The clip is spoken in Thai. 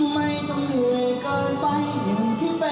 ไม่ต้องเหนื่อยเกินไปอย่างที่ไป